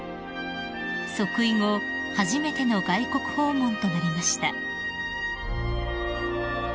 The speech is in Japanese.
［即位後初めての外国訪問となりました］